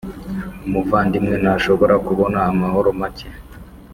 umuvandimwe ntashobora kubona amahoro make?